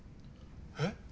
えっ？